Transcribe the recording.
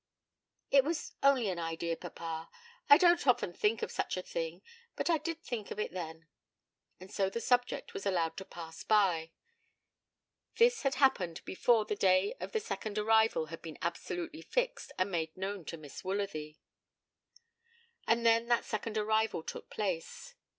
'It was only an idea, papa. I don't often think of such a thing; but I did think of it then.' And so the subject was allowed to pass by. This had happened before the day of the second arrival had been absolutely fixed and made known to Miss Woolsworthy. And then that second arrival took place.